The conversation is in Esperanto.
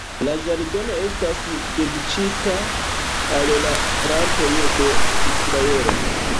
La ĝardeno estas dediĉita al la plantoj de Israelo.